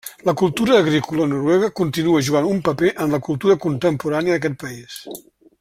La cultura agrícola noruega continua jugant un paper en la cultura contemporània d'aquest país.